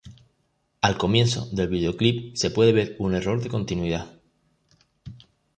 Al comienzo del videoclip se puede ver un error de continuidad.